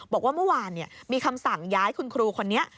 บอกว่าเมื่อวานมีคำสั่งย้ายคุณครูคนนี้